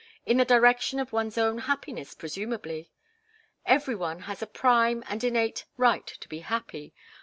In the direction of one's own happiness, presumably. Every one has a prime and innate right to be happy.